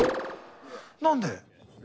何で？